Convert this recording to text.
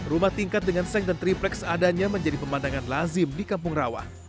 rumah tingkat dengan seng dan triplek seadanya menjadi pemandangan lazim di kampung rawa